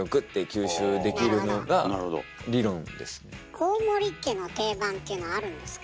大森家の定番っていうのあるんですか？